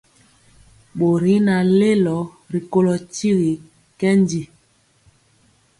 Bori y naŋ lelo rikolo tyigi nkɛndi.